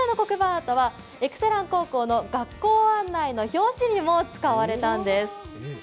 アートはエクセラン高校の学校案内の表紙にも使われたんです。